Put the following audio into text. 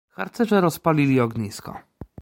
harcerze rozpalli ognisko